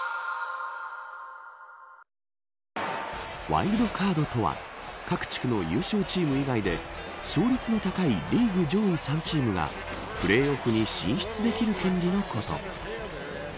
ワイルドカードとは各地区の優勝チーム以外で勝率の高いリーグ上位３チームがプレーオフに進出できる権利のこと。